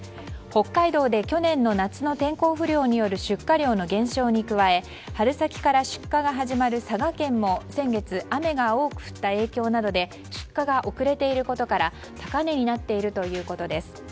北海道で去年の夏の天候不良による出荷量の減少に加え春先から出荷が始まる佐賀県も先月雨が多く降った影響などで出荷が遅れていることから高値になっているということです。